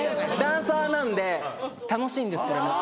ダンサーなんで楽しいんですそれも。